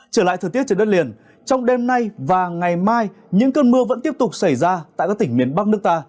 trở lại thời tiết trên đất liền trong đêm nay và ngày mai những cơn mưa vẫn tiếp tục xảy ra tại các tỉnh miền bắc nước ta